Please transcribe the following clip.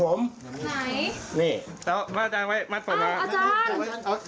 ไหนอาจารย์มัดยังไงมัดยังไงมัดยังไงนะคะ